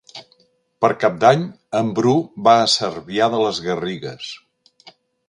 Per Cap d'Any en Bru va a Cervià de les Garrigues.